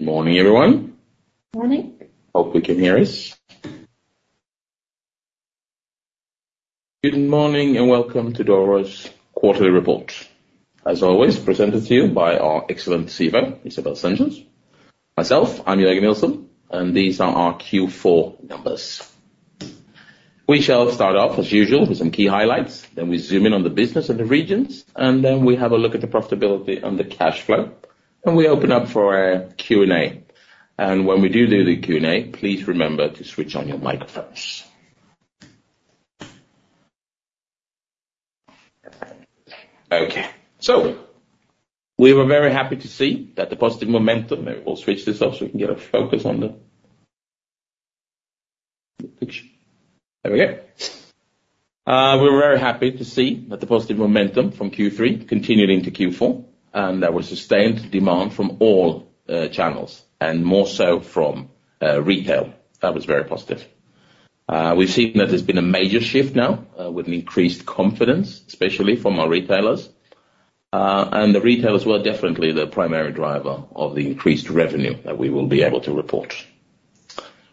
Good morning everyone. Morning. Hope we can hear us. Good morning and welcome to Doro's quarterly report. As always presented to you by our excellent receiver Isabelle Sengès. Myself, I'm Jörgen Nilsson and these are our Q4 numbers. We shall start off as usual with some key highlights then we zoom in on the business and the regions and then we have a look at the profitability and the cash flow and we open up for a Q&A. When we do the Q&A please remember to switch on your microphones. Okay so we were very happy to see that the positive momentum maybe we'll switch this off so we can get a focus on the picture. There we go. We were very happy to see that the positive momentum from Q3 continued into Q4 and that was sustained demand from all channels and more so from retail. That was very positive. We've seen that there's been a major shift now with an increased confidence especially from our retailers. And the retailers were definitely the primary driver of the increased revenue that we will be able to report.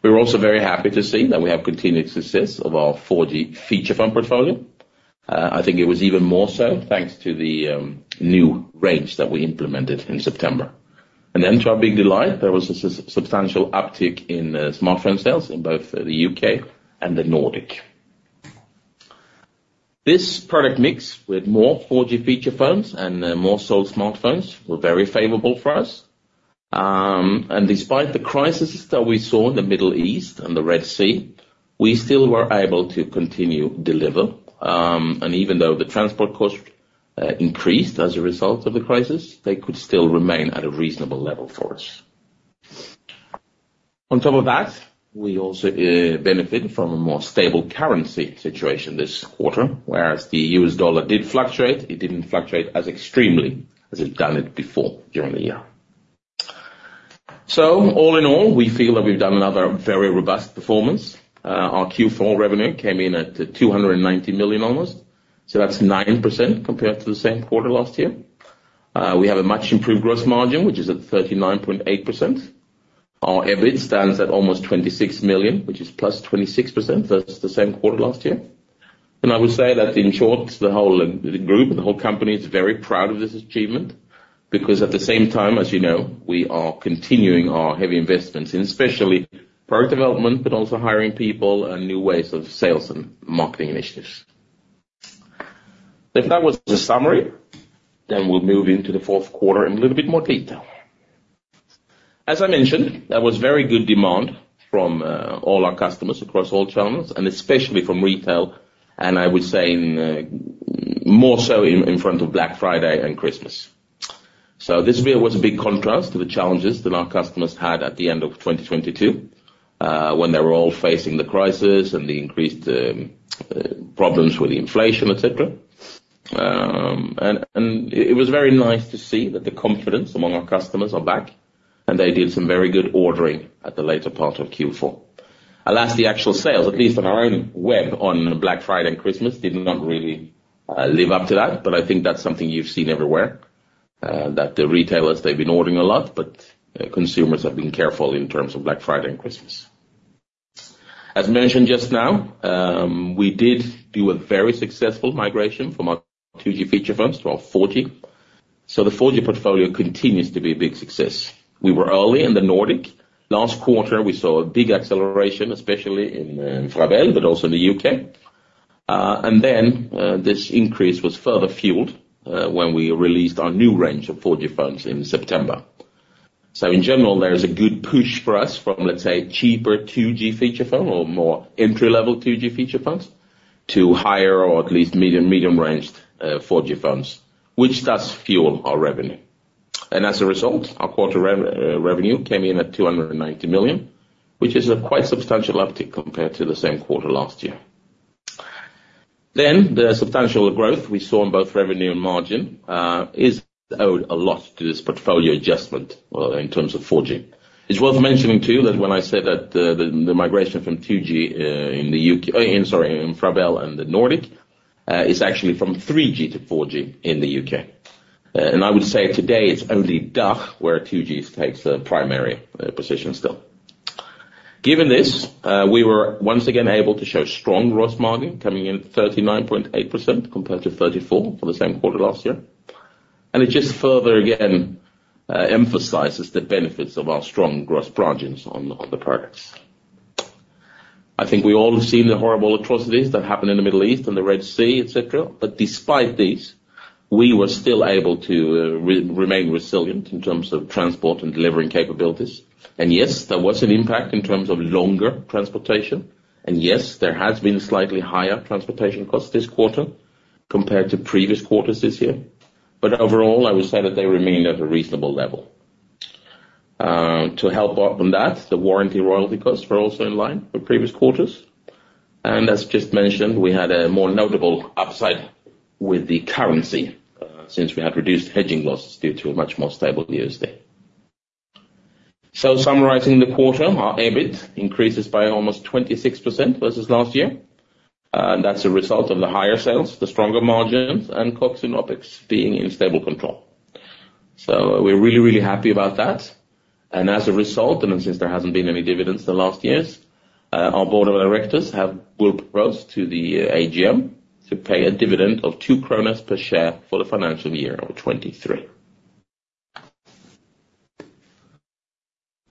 We were also very happy to see that we have continued success of our 4G feature phone portfolio. I think it was even more so thanks to the new range that we implemented in September. And then to our big delight there was a substantial uptick in smartphone sales in both the UK and the Nordic. This product mix with more 4G feature phones and more sold smartphones were very favorable for us. And despite the crisis that we saw in the Middle East and the Red Sea we still were able to continue deliver. Even though the transport cost increased as a result of the crisis they could still remain at a reasonable level for us. On top of that we also benefited from a more stable currency situation this quarter whereas the US dollar did fluctuate it didn't fluctuate as extremely as it'd done it before during the year. So all in all we feel that we've done another very robust performance. Our Q4 revenue came in at almost 290 million. So that's 9% compared to the same quarter last year. We have a much improved gross margin which is at 39.8%. Our EBIT stands at almost 26 million which is +26% versus the same quarter last year. I would say that in short the whole company is very proud of this achievement because at the same time as you know we are continuing our heavy investments in especially product development but also hiring people and new ways of sales and marketing initiatives. If that was the summary then we'll move into the fourth quarter in a little bit more detail. As I mentioned there was very good demand from all our customers across all channels and especially from retail and I would say in more so in front of Black Friday and Christmas. So this really was a big contrast to the challenges that our customers had at the end of 2022 when they were all facing the crisis and the increased problems with inflation et cetera. It was very nice to see that the confidence among our customers are back and they did some very good ordering at the later part of Q4. Alas, the actual sales at least on our own web on Black Friday and Christmas did not really live up to that but I think that's something you've seen everywhere. That the retailers they've been ordering a lot but consumers have been careful in terms of Black Friday and Christmas. As mentioned just now we did do a very successful migration from our 2G feature phones to our 4G. So the 4G portfolio continues to be a big success. We were early in the Nordic. Last quarter we saw a big acceleration especially in France but also in the U.K. And then this increase was further fueled when we released our new range of 4G phones in September. So in general there's a good push for us from let's say cheaper 2G feature phone or more entry-level 2G feature phones to higher or at least medium ranged 4G phones which does fuel our revenue. And as a result our quarter revenue came in at 290 million which is a quite substantial uptick compared to the same quarter last year. Then the substantial growth we saw in both revenue and margin is owed a lot to this portfolio adjustment well in terms of 4G. It's worth mentioning too that when I said that the migration from 2G in the UK oh and sorry in France and the Nordic is actually from 3G to 4G in the U.K. I would say today it's only DACH where 2G takes the primary position still. Given this we were once again able to show strong gross margin coming in at 39.8% compared to 34% for the same quarter last year. And it just further again emphasizes the benefits of our strong gross margins on the products. I think we all have seen the horrible atrocities that happened in the Middle East and the Red Sea et cetera. But despite these we were still able to remain resilient in terms of transport and delivering capabilities. And yes there was an impact in terms of longer transportation. Yes, there has been slightly higher transportation costs this quarter compared to previous quarters this year. But overall I would say that they remain at a reasonable level. To help up on that, the warranty royalty costs were also in line with previous quarters. As just mentioned, we had a more notable upside with the currency since we had reduced hedging losses due to a much more stable USD. Summarizing the quarter, our EBIT increases by almost 26% versus last year, and that's a result of the higher sales, the stronger margins, and COGS and OPEX being in stable control. We're really really happy about that. As a result, and since there hasn't been any dividends the last years, our board of directors have proposed to the AGM to pay a dividend of 2 kronor per share for the financial year of 2023.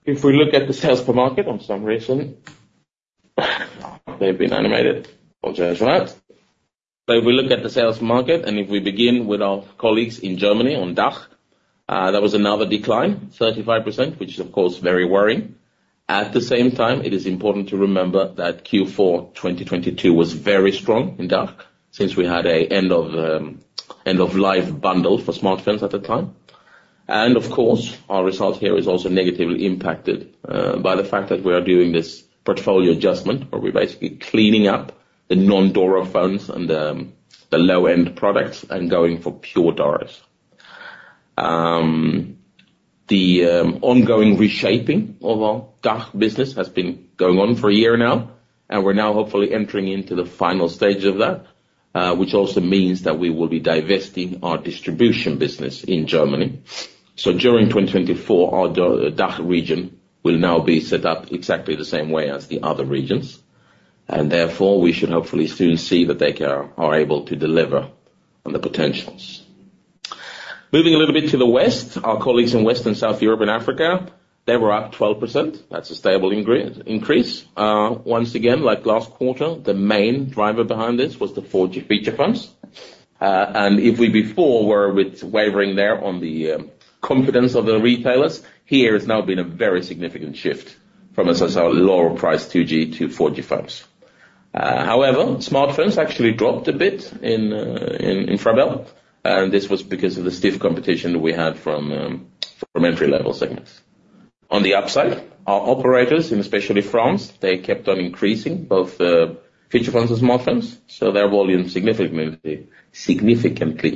If we look at the sales per market, for some reason they've been animated. I'll judge that. But if we look at the sales market and if we begin with our colleagues in Germany on DACH, there was another decline of 35%, which is of course very worrying. At the same time, it is important to remember that Q4 2022 was very strong in DACH since we had an end-of-life bundle for smartphones at the time. Of course our result here is also negatively impacted by the fact that we are doing this portfolio adjustment where we're basically cleaning up the non-Doro phones and the low-end products and going for pure Doros. The ongoing reshaping of our DACH business has been going on for a year now and we're now hopefully entering into the final stage of that which also means that we will be divesting our distribution business in Germany. So during 2024 our DACH region will now be set up exactly the same way as the other regions. And therefore we should hopefully soon see that they are able to deliver on the potentials. Moving a little bit to the west our colleagues in West and South Europe and Africa they were up 12%. That's a stable increase. Once again like last quarter the main driver behind this was the 4G feature phones. If we before were with wavering there on the confidence of the retailers here it's now been a very significant shift from a so lower priced 2G to 4G phones. However smartphones actually dropped a bit in France and this was because of the stiff competition that we had from entry-level segments. On the upside our operators and especially France they kept on increasing both the feature phones and smartphones. So their volume significantly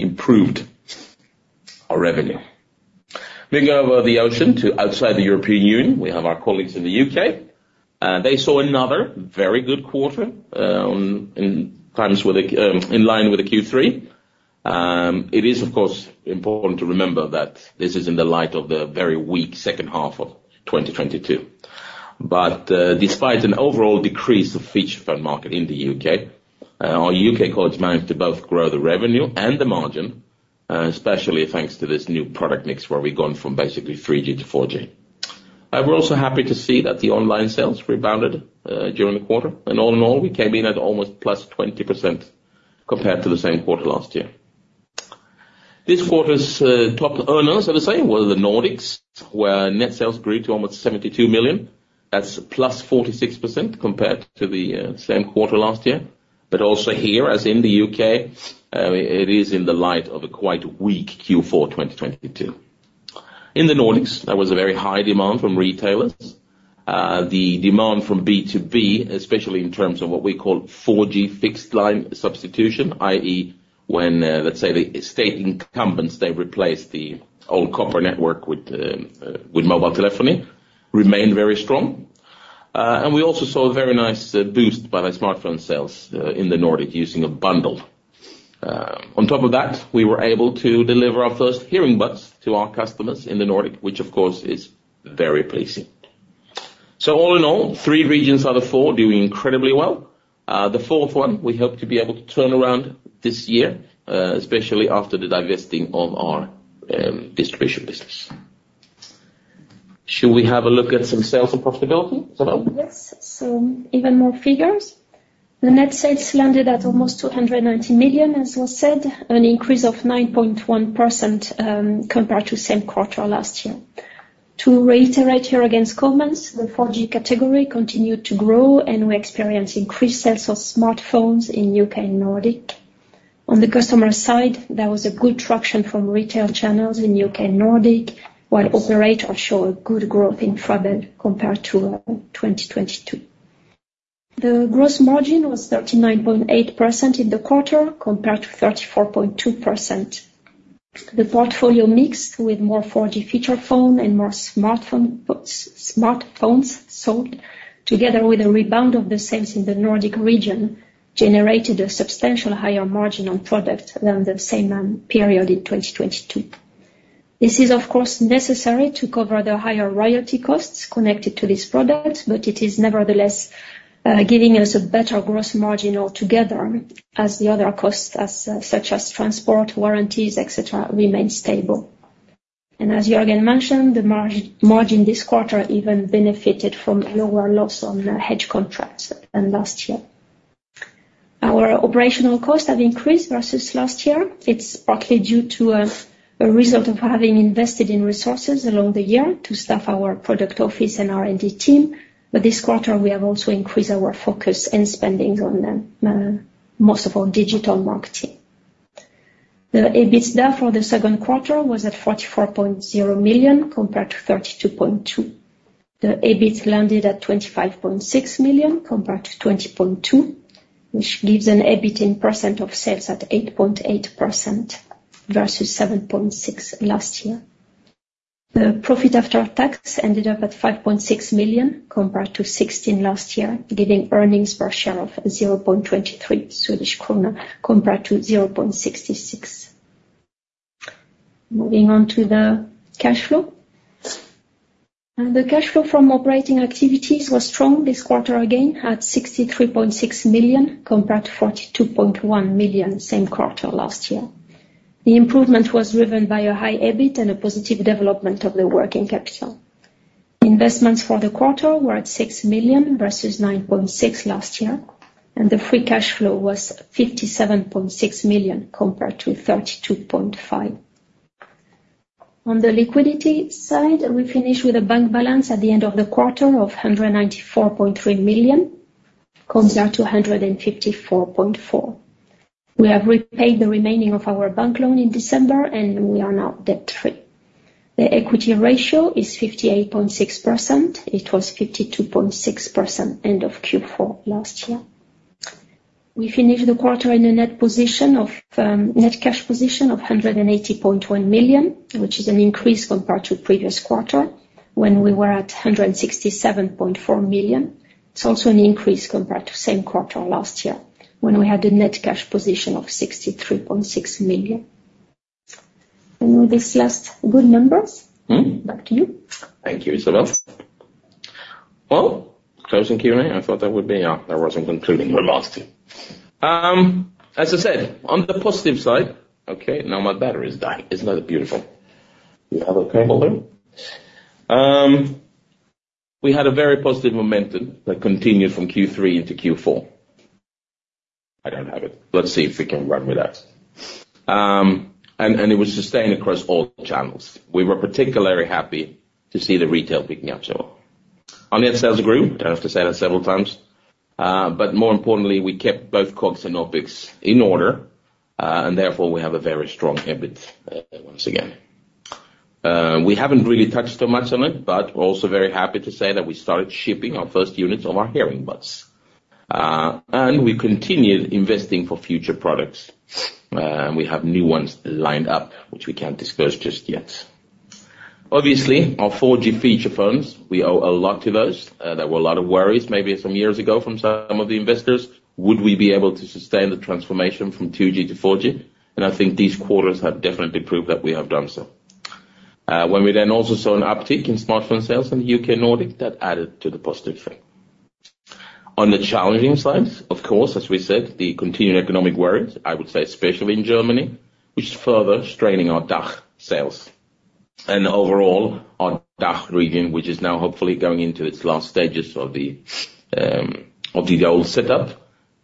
improved our revenue. Moving over the ocean to outside the European Union we have our colleagues in the UK. They saw another very good quarter online in line with the Q3. It is of course important to remember that this is in the light of the very weak second half of 2022. But despite an overall decrease of feature phone market in the U.K., our U.K., colleagues managed to both grow the revenue and the margin especially thanks to this new product mix where we've gone from basically 3G to 4G. We're also happy to see that the online sales rebounded during the quarter. And all in all we came in at almost +20% compared to the same quarter last year. This quarter's top earners I would say were the Nordics where net sales grew to almost 72 million. That's +46% compared to the same quarter last year. But also here as in the U.K., it is in the light of a quite weak Q4 2022. In the Nordics there was a very high demand from retailers. The demand from B2B especially in terms of what we call 4G fixed line substitution i.e. when let's say the state incumbents they replaced the old copper network with mobile telephony remained very strong. And we also saw a very nice boost by the smartphone sales in the Nordic using a bundle. On top of that we were able to deliver our first HearingBuds to our customers in the Nordic which of course is very pleasing. So all in all three regions out of four doing incredibly well. The fourth one we hope to be able to turn around this year especially after the divesting of our distribution business. Should we have a look at some sales and profitability Isabelle? Yes. So even more figures. The net sales landed at almost 290 million as was said. An increase of 9.1% compared to same quarter last year. To reiterate here against COVID the 4G category continued to grow and we experienced increased sales of smartphones in U.K., and Nordic. On the customer side there was a good traction from retail channels in U.K., and Nordic while operators show a good growth in France compared to 2022. The gross margin was 39.8% in the quarter compared to 34.2%. The portfolio mixed with more 4G feature phone and more smartphone puts smartphones sold together with a rebound of the sales in the Nordic region generated a substantial higher margin on products than the same period in 2022. This is of course necessary to cover the higher royalty costs connected to these products, but it is nevertheless giving us a better gross margin altogether as the other costs such as transport, warranties, etc. remain stable. As Jörgen mentioned, the margin this quarter even benefited from lower loss on hedge contracts than last year. Our operational costs have increased versus last year. It's partly due to a result of having invested in resources along the year to staff our product office and R&D team. But this quarter we have also increased our focus and spending on most of our digital marketing. The EBITDA for the second quarter was at 44.0 million compared to 32.2 million. The EBIT landed at 25.6 million compared to SEK 20.2 million which gives an EBIT in percent of sales at 8.8% versus 7.6% last year. The profit after tax ended up at 5.6 million compared to 16 million last year giving earnings per share of 0.23 Swedish krona compared to 0.66 SEK. Moving on to the cash flow. The cash flow from operating activities was strong this quarter again at 63.6 million compared to 42.1 million same quarter last year. The improvement was driven by a high EBIT and a positive development of the working capital. Investments for the quarter were at 6 million versus 9.6 million last year and the free cash flow was 57.6 million compared to 32.5 million. On the liquidity side we finish with a bank balance at the end of the quarter of 194.3 million compared to 154.4 million. We have repaid the remaining of our bank loan in December and we are now debt-free. The equity ratio is 58.6%. It was 52.6% end of Q4 last year. We finish the quarter in a net position of net cash position of 180.1 million which is an increase compared to previous quarter when we were at 167.4 million. It's also an increase compared to same quarter last year when we had a net cash position of 63.6 million. And with these last good numbers. Back to you. Thank you Isabelle. Well, as I said on the positive side, okay now my battery's dying. It's not a beautiful. You have a cable there? I don't have it. Let's see if we can run with that. We had a very positive momentum that continued from Q3 into Q4, and it was sustained across all the channels. We were particularly happy to see the retail picking up so well. Our net sales grew, I don't have to say that several times, but more importantly we kept both COGS and OPEX in order and therefore we have a very strong EBIT once again. We haven't really touched too much on it but we're also very happy to say that we started shipping our first units of our HearingBuds. We continued investing for future products. We have new ones lined up which we can't disclose just yet. Obviously our 4G feature phones we owe a lot to those. There were a lot of worries maybe some years ago from some of the investors. Would we be able to sustain the transformation from 2G to 4G? I think these quarters have definitely proved that we have done so. When we then also saw an uptick in smartphone sales in the U.K. and Nordic that added to the positive thing. On the challenging side of course as we said the continued economic worries I would say especially in Germany which is further straining our DACH sales. Overall our DACH region which is now hopefully going into its last stages of the old setup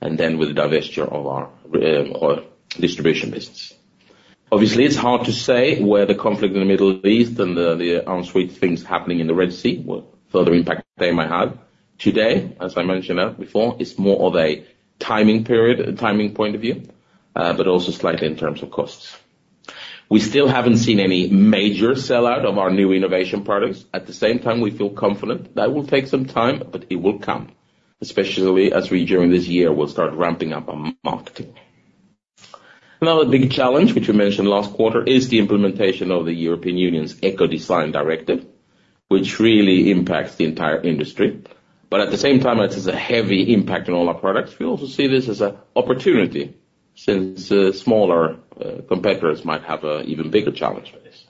and then with the divestiture of our IVS distribution business. Obviously it's hard to say where the conflict in the Middle East and the ensuing things happening in the Red Sea will further impact what they might have. Today as I mentioned before it's more of a timing period a timing point of view but also slightly in terms of costs. We still haven't seen any major sellout of our new innovation products. At the same time we feel confident that will take some time but it will come especially as we during this year will start ramping up our marketing. Another big challenge which we mentioned last quarter is the implementation of the European Union's Ecodesign Directive which really impacts the entire industry. But at the same time it has a heavy impact on all our products. We also see this as an opportunity since smaller competitors might have an even bigger challenge for this.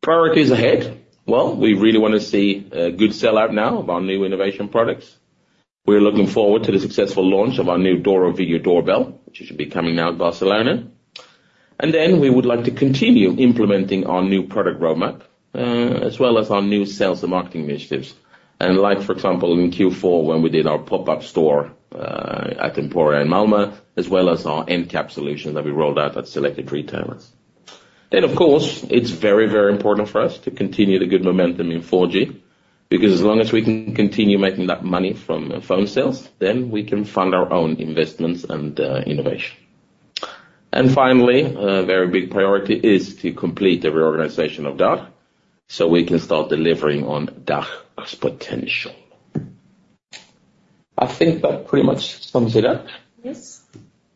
Priorities ahead. Well we really wanna see a good sellout now of our new innovation products. We're looking forward to the successful launch of our new Doro Video Doorbell which should be coming out of Barcelona. And then we would like to continue implementing our new product roadmap as well as our new sales and marketing initiatives. And like for example in Q4 when we did our pop-up store at Emporia in Malmö as well as our end cap solution that we rolled out at selected retailers. Of course it's very very important for us to continue the good momentum in 4G because as long as we can continue making that money from phone sales then we can fund our own investments and innovation. Finally very big priority is to complete the reorganization of DACH so we can start delivering on DACH's potential. I think that pretty much sums it up. Yes.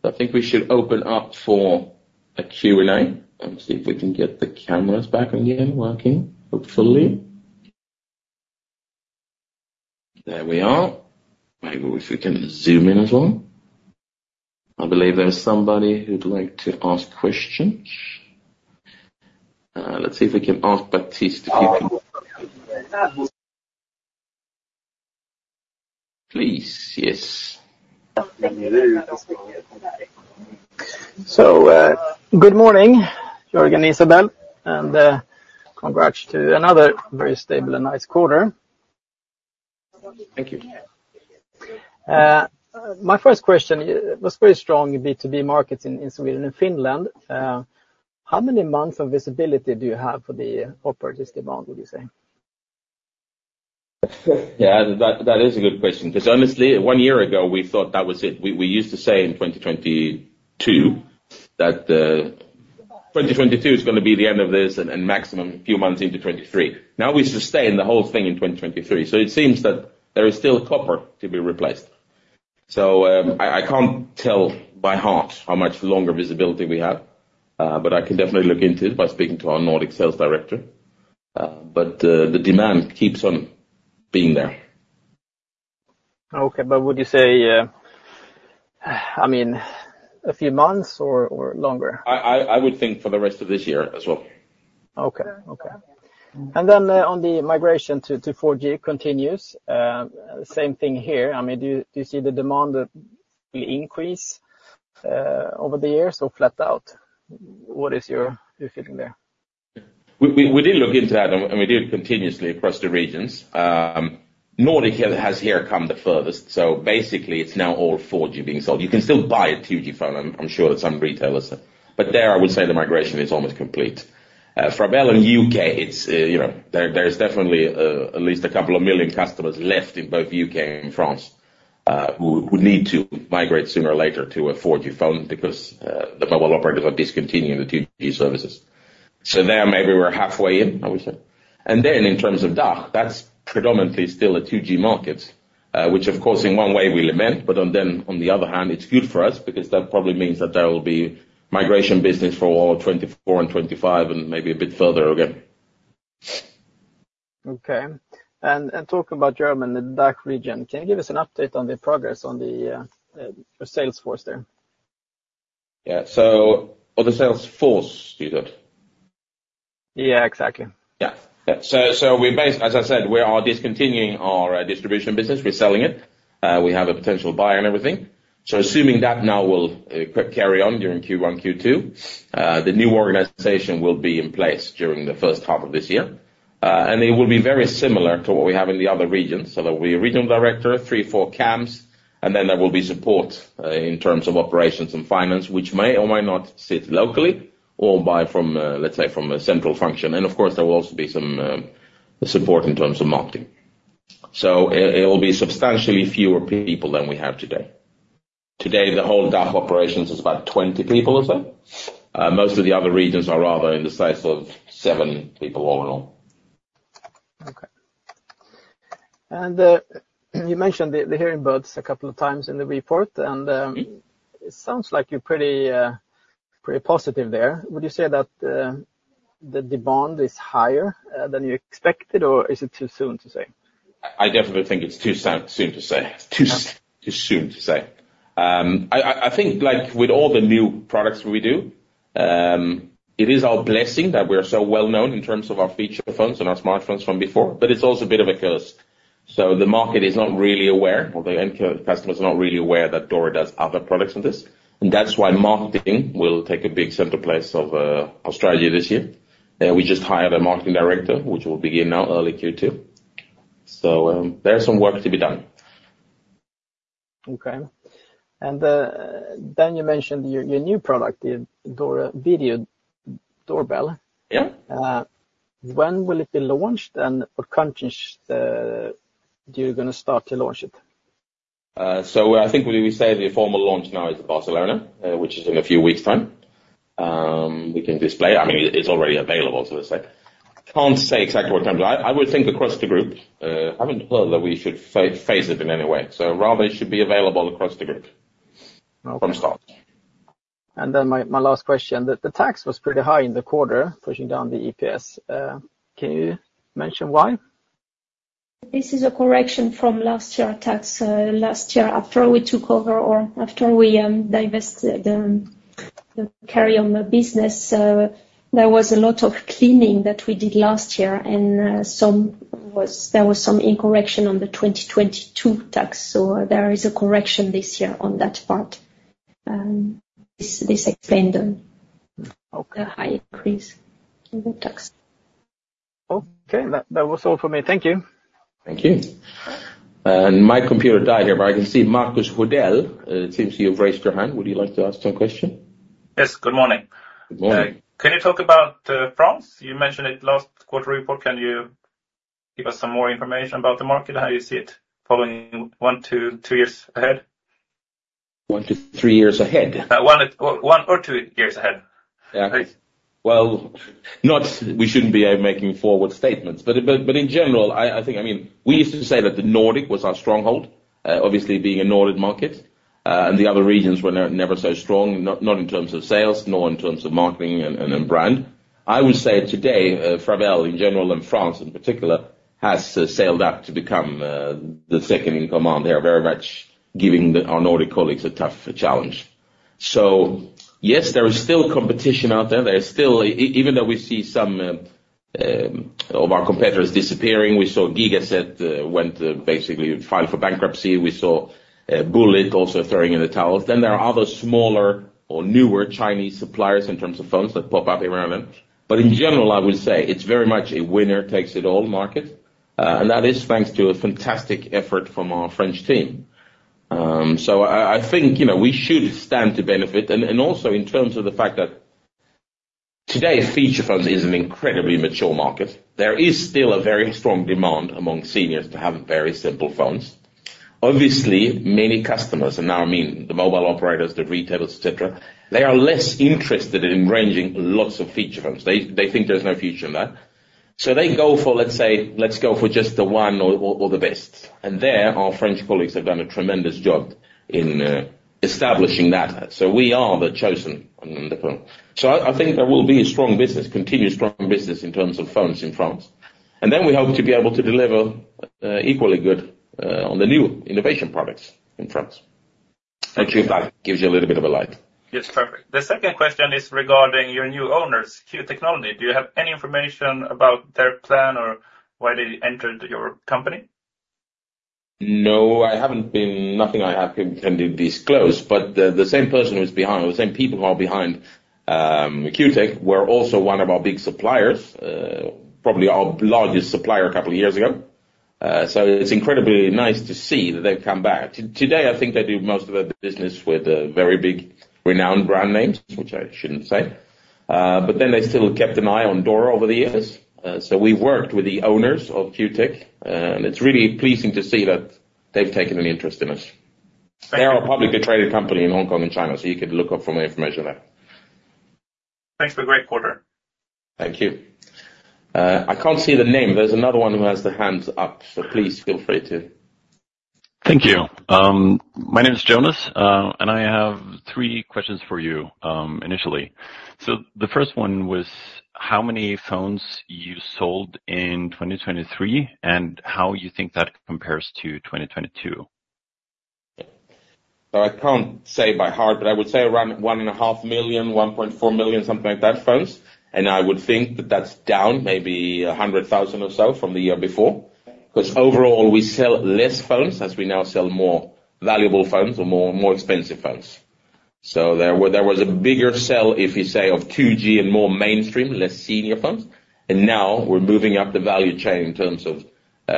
So I think we should open up for a Q&A. Let me see if we can get the cameras back again working hopefully. There we are. Maybe if we can zoom in as well. I believe there's somebody who'd like to ask questions. Let's see if we can ask Baptiste if you can. Please. Yes. Something. Good morning Jörgen and Isabelle. Congrats to another very stable and nice quarter. Thank you. My first question was very strong B2B markets in Sweden and Finland. How many months of visibility do you have for the operators' demand, would you say? Yeah, that is a good question 'cause honestly one year ago we thought that was it. We used to say in 2022 that 2022 is gonna be the end of this and maximum few months into 2023. Now we sustain the whole thing in 2023. So it seems that there is still copper to be replaced. So I can't tell by heart how much longer visibility we have, but I can definitely look into it by speaking to our Nordic sales director. But the demand keeps on being there. Okay, but would you say, I mean, a few months or longer? I would think for the rest of this year as well. Okay, okay. And then on the migration to 4G continues, same thing here. I mean, do you see the demand that will increase over the years or flat out? What is your feeling there? We did look into that and we did continuously across the regions. Nordic has here come the furthest. So basically it's now all 4G being sold. You can still buy a 2G phone, I'm sure that some retailers are. But there I would say the migration is almost complete. However in the U.K., it's you know there's definitely at least a couple of million customers left in both the U.K., and France who would need to migrate sooner or later to a 4G phone because the mobile operators are discontinuing the 2G services. So there maybe we're halfway, I would say. Then in terms of DACH, that's predominantly still a 2G market, which of course in one way we lament, but on the other hand it's good for us because that probably means that there will be migration business for all 2024 and 2025 and maybe a bit further again. Okay. And talking about Germany, the DACH region, can you give us an update on the progress on your sales force there? Yeah, so, or the sales force you said? Yeah exactly. Yeah, yeah. So, as I said, we are discontinuing our distribution business. We're selling it. We have a potential buyer and everything. So assuming that, it will carry on during Q1 Q2. The new organization will be in place during the first half of this year. And it will be very similar to what we have in the other regions. So there'll be a regional director, 3-4 KAMs, and then there will be support in terms of operations and finance which may or may not sit locally or be from, let's say, from a central function. And of course there will also be some support in terms of marketing. So it'll be substantially fewer people than we have today. Today the whole DACH operations is about 20 people or so. Most of the other regions are rather in the size of seven people all in all. Okay. And then you mentioned the HearingBuds a couple of times in the report and Mm-hmm. It sounds like you're pretty positive there. Would you say that the demand is higher than you expected or is it too soon to say? I definitely think it's too soon to say. Too soon to say. I think like with all the new products we do it is our blessing that we are so well-known in terms of our feature phones and our smartphones from before. But it's also a bit of a curse. So the market is not really aware or the end customers are not really aware that Doro does other products than this. And that's why marketing will take a big central place of our strategy this year. We just hired a marketing director which will begin now early Q2. So there's some work to be done. Okay. And then you mentioned your your new product the Doro video doorbell. Yeah. When will it be launched and what countries do you gonna start to launch it? So, I think we say the formal launch now is Barcelona, which is in a few weeks' time. We can display it. I mean, it's already available, so to say. Can't say exactly what time. But I would think across the group I haven't heard that we should phase it in any way. So rather it should be available across the group. Okay. From start. Then my last question. The tax was pretty high in the quarter pushing down the EPS. Can you mention why? This is a correction from last year, our tax last year after we took over or after we divested the Careium business. There was a lot of cleaning that we did last year and there was some incorrectness on the 2022 tax. So there is a correction this year on that part. This explained the. Okay. The high increase in the tax. Okay. That was all for me. Thank you. Thank you. My computer died here but I can see Marcus Houdelle. It seems you've raised your hand. Would you like to ask some question? Yes. Good morning. Good morning. Can you talk about France? You mentioned it last quarter report. Can you give us some more information about the market? How do you see it following one to two years ahead? 1-3 years ahead? 1 1 or 2 years ahead. Yeah. Please. Well, now we shouldn't be making forward statements. But in general I think I mean we used to say that the Nordic was our stronghold, obviously being a Nordic market. And the other regions were never so strong. No, not in terms of sales nor in terms of marketing and brand. I would say today Europe in general and France in particular has sailed up to become the second in command there very much giving our Nordic colleagues a tough challenge. So yes there is still competition out there. There is still even though we see some of our competitors disappearing we saw Gigaset went basically filed for bankruptcy. We saw Bullitt also throwing in the towels. Then there are other smaller or newer Chinese suppliers in terms of phones that pop up around them. But in general I would say it's very much a winner takes it all market. And that is thanks to a fantastic effort from our French team. So I think you know we should stand to benefit. And also in terms of the fact that today feature phones is an incredibly mature market. There is still a very strong demand among seniors to have very simple phones. Obviously many customers and now I mean the mobile operators the retailers et cetera they are less interested in ranging lots of feature phones. They think there's no future in that. So they go for let's say let's go for just the one or the best. And there our French colleagues have done a tremendous job in establishing that. So we are the chosen one on the phone. I think there will be a strong business continued strong business in terms of phones in France. Then we hope to be able to deliver equally good on the new innovation products in France. I'm sure that gives you a little bit of a light. Yes, perfect. The second question is regarding your new owners Q Technology. Do you have any information about their plan or why they entered your company? No, I haven't been nothing I have intended disclose. But the same person who's behind or the same people who are behind Q Tech were also one of our big suppliers, probably our largest supplier a couple of years ago. So it's incredibly nice to see that they've come back. Today I think they do most of their business with very big renowned brand names which I shouldn't say. But then they still kept an eye on Doro over the years. So we've worked with the owners of Q Tech and it's really pleasing to see that they've taken an interest in us. Thank you. They're a publicly traded company in Hong Kong and China, so you could look up for more information there. Thanks for a great quarter. Thank you. I can't see the name. There's another one who has the hands up so please feel free to. Thank you. My name is Jonas, and I have three questions for you initially. So the first one was how many phones you sold in 2023 and how you think that compares to 2022. Yeah. So I can't say by heart but I would say around 1.5 million, 1.4 million, something like that phones. And I would think that that's down maybe 100,000 or so from the year before. 'Cause overall we sell less phones as we now sell more valuable phones or more more expensive phones. So there were there was a bigger sell if you say of 2G and more mainstream less senior phones. And now we're moving up the value chain in terms of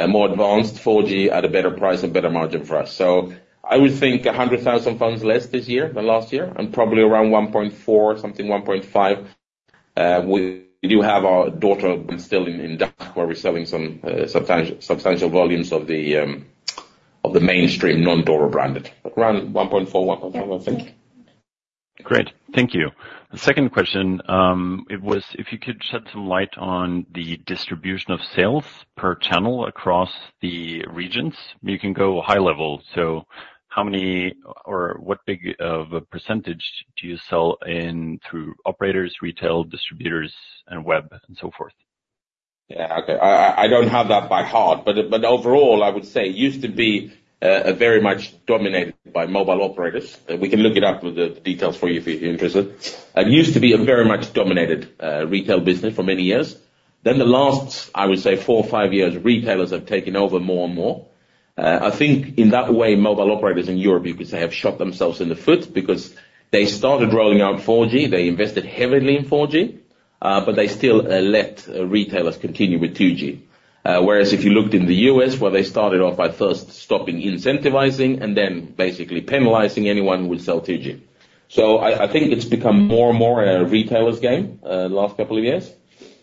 more advanced 4G at a better price and better margin for us. So I would think 100,000 phones less this year than last year and probably around 1.4 something, 1.5. We do have our Doro. Still in DACH where we're selling some substantial volumes of the mainstream non-Doro branded. Around 1.4-1.5 I think. Great. Thank you. The second question it was if you could shed some light on the distribution of sales per channel across the regions. You can go high level. So how many or what big of a percentage do you sell in through operators retail distributors and web and so forth? Yeah okay. I don't have that by heart. But overall I would say it used to be very much dominated by mobile operators. We can look it up with the details for you if you're interested. It used to be very much dominated retail business for many years. Then the last I would say four or five years retailers have taken over more and more. I think in that way mobile operators in Europe you could say have shot themselves in the foot because they started rolling out 4G. They invested heavily in 4G. But they still let retailers continue with 2G, whereas if you looked in the US where they started off by first stopping incentivizing and then basically penalizing anyone who would sell 2G. So I think it's become more and more a retailer's game the last couple of years.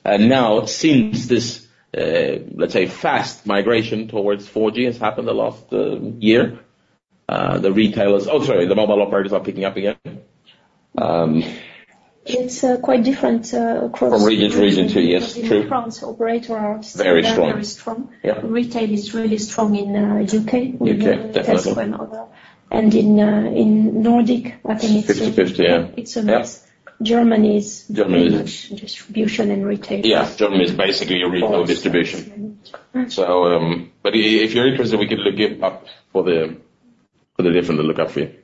And now since this let's say fast migration towards 4G has happened the last year the retailers oh sorry the mobile operators are picking up again. It's quite different across. From region to region, too. Yes, true. In France, operator are. Very strong. Very strong. Yeah. Retail is really strong in U.K. UK definitely. Texas and other. In Nordic I think it's. 50/50 yeah. It's a mix. Yeah. Germany's. Germany's. Distribution and retail. Yeah. Germany's basically a retail distribution. So, but if you're interested, we could look it up for the different to look up for you.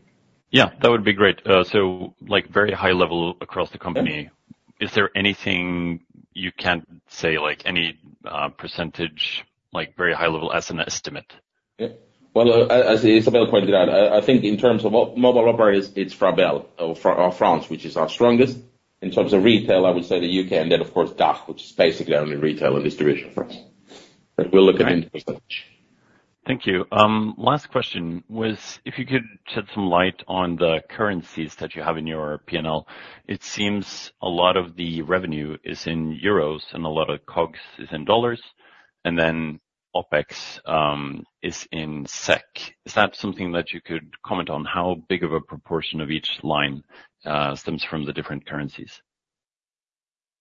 Yeah, that would be great. So, like, very high level across the company. Yeah. Is there anything you can say like any percentage like very high level as an estimate? Yeah. Well, as Isabelle pointed out, I think in terms of mobile operators it's France or FR or France which is our strongest. In terms of retail I would say the U.K., and then of course DACH which is basically only retail and distribution for us. But we'll look at it in percentage. Thank you. Last question was if you could shed some light on the currencies that you have in your P&L. It seems a lot of the revenue is in euros and a lot of COGS is in dollars and then OPEX is in SEK. Is that something that you could comment on? How big of a proportion of each line stems from the different currencies?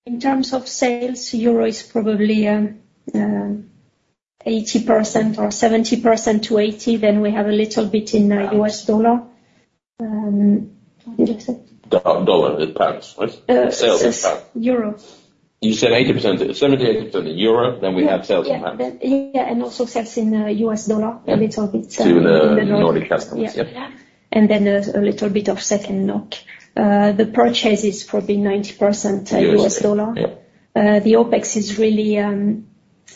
In terms of sales euro is probably 80% or 70%-80%. Then we have a little bit in US dollar. What did you say? dollar in pounds, right? Sales in pounds. Euro. You said 80% 70-80% in euro, then we have sales in pounds. Yeah then yeah and also sales in U.S. dollar. Yeah. A little bit. To the Nordic customers, yeah. And then a little bit of SEK and NOK. The purchases probably 90% U.S. dollar. U.S. dollar yeah. The OPEX is really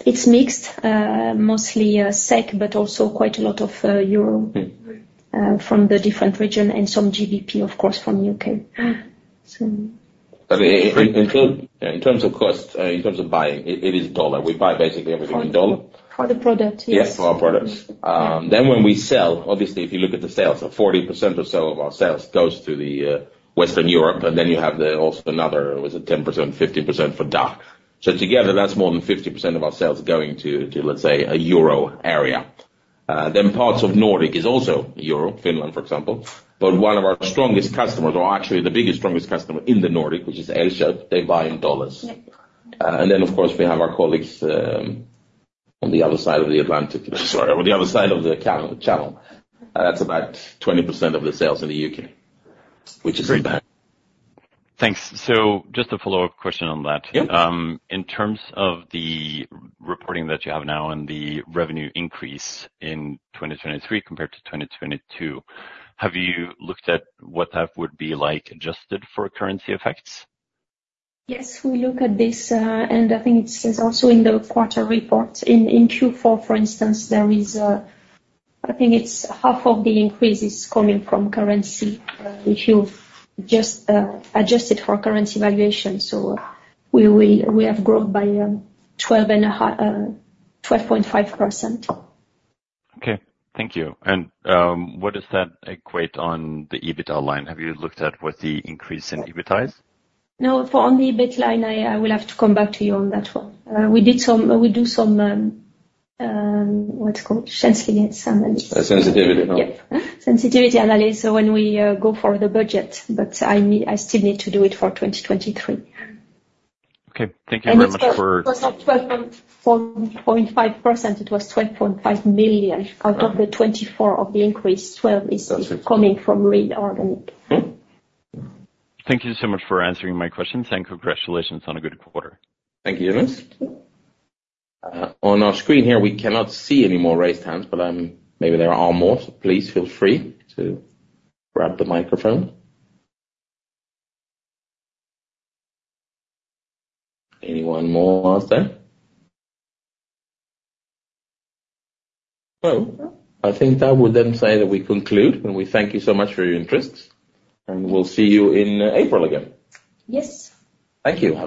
it's mixed. Mostly SEK but also quite a lot of Euro. Mm-hmm. from the different region and some GBP of course from the U.K. So. But in terms, yeah, in terms of cost, in terms of buying it, it is dollar. We buy basically everything in dollar. For the product, yes. Yes, for our products. Then, when we sell, obviously, if you look at the sales, 40% or so of our sales goes to Western Europe, and then you have also another—was it 10%-15%—for DACH. So, together, that's more than 50% of our sales going to, let's say, a euro area. Then, parts of Nordic is also euro. Finland, for example. But one of our strongest customers—or actually the biggest strongest customer in the Nordic, which is Elisa—they buy in U.S. dollars. Yep. Then, of course, we have our colleagues on the other side of the Atlantic. Sorry, on the other side of the Channel. That's about 20% of the sales in the U.K., which is in pounds. Great. Thanks. So just a follow-up question on that. Yeah. In terms of the reporting that you have now and the revenue increase in 2023 compared to 2022, have you looked at what that would be like adjusted for currency effects? Yes, we look at this and I think it says also in the quarter report in Q4 for instance there is I think it's half of the increase is coming from currency if you've just adjusted for currency valuation. So we have growth by 12.5% Okay. Thank you. What does that equate on the EBITDA line? Have you looked at what the increase in EBITDA is? No, on the EBIT line, I will have to come back to you on that one. We do some what's called sensitivity analysis. sensitivity huh? Yep. Sensitivity analysis when we go for the budget. But I still need to do it for 2023. Okay. Thank you very much for. It was not 12.45%. It was 12.5 million. Okay. Out of the 24 of the increase 12 is coming from real organic. Mm-hmm. Thank you so much for answering my questions. Congratulations on a good quarter. Thank you Jonas. Yep. On our screen here, we cannot see any more raised hands, but I'm maybe there are more, so please feel free to grab the microphone. Anyone more out there? Hello? Hello? I think that would then say that we conclude and we thank you so much for your interest. We'll see you in April again. Yes. Thank you. Have a.